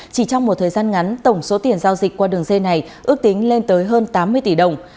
chỉ trong một thời gian ngắn tổng số tiền giao dịch qua đường dây này ước tính lên tới hơn tám mươi tỷ đồng